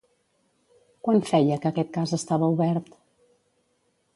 Quant feia que aquest cas estava obert?